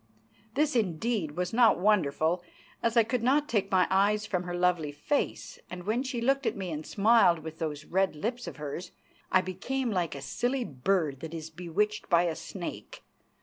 This, indeed, was not wonderful, as I could not take my eyes from her lovely face, and when she looked at me and smiled with those red lips of hers I became like a silly bird that is bewitched by a snake.